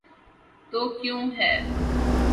تو کیوں ہے؟